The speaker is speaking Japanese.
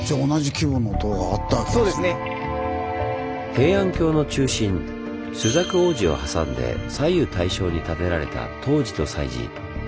平安京の中心朱雀大路を挟んで左右対称に建てられた東寺と西寺。